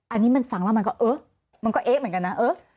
อันนี้มันฟังเรามันก็มันก็เห๊ะเหมือนกันนะเอ๊ะ